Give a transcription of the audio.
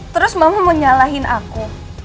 terus mau nyalahin aku